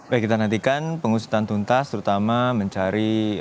baik kita nantikan pengusutan tuntas terutama mencari